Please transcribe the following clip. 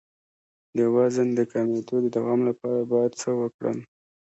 د وزن د کمیدو د دوام لپاره باید څه وکړم؟